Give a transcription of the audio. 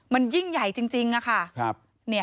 มันยิ่งใหญ่จริงค่ะ